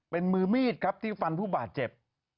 เป็นมือมีดครับที่ฟันผู้บาดเจ็บ